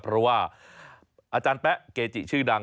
เพราะว่าอาจารย์แป๊ะเกจิชื่อดัง